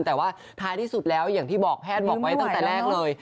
แต่ว่าท้ายที่สุดแล้วอย่างที่บอกแพทย์บอกไว้ตั้งแต่แรกเลย